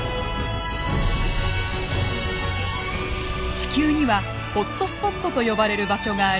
地球にはホットスポットと呼ばれる場所があります。